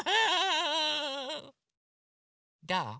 どう？